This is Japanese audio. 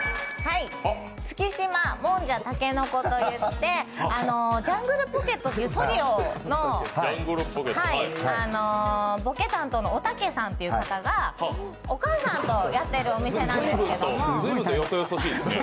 月島もんじゃ竹の子といってジャングルポケットというトリオのボケ担当のおたけさんという方がお母さんとやっているお店なんですけれども。